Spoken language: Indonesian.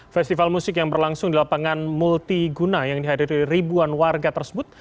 festival musik yang berlangsung di lapangan multiguna yang dihadiri ribuan warga tersebut